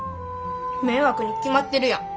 迷惑に決まってるやん。